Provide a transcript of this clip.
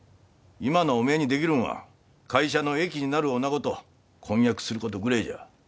今のおめえにできるんは会社の益になるおなごと婚約することぐれえじゃ。